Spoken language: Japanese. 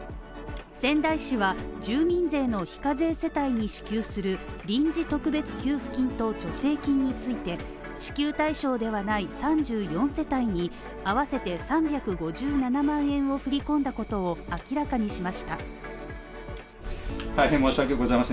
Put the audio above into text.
仙台市は、住民税の非課税世帯に支給する臨時特別給付金と助成金について支給対象ではない３４世帯に合わせて３５７万円を振り込んだことを明らかにしました。